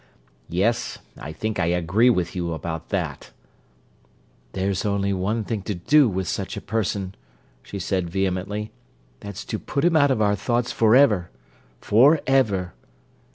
"Yes, I think I agree with you about that!" "There's only one thing to do with such a person," she said vehemently. "That's to put him out of our thoughts forever—forever!"